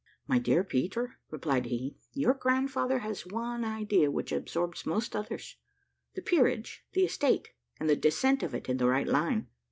"My dear Peter," replied he, "your grandfather has one idea which absorbs most others the peerage, the estate, and the descent of it in the right line.